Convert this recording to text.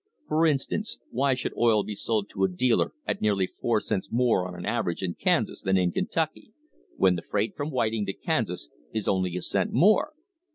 For instance, why should oil be sold to a dealer at nearly four cents more on an aver age in Kansas than in Kentucky, when the freight from Whiting to Kansas is only a cent more?